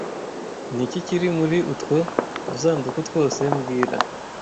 Ni iki kiri muri utwo dusanduku twose mbwira